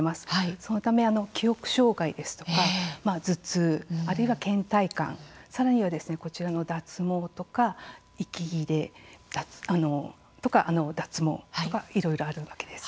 そのため記憶障害ですとか頭痛あるいはけん怠感さらには脱毛とか息切れとかいろいろあるわけです。